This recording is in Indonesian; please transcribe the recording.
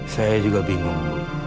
saya juga bingung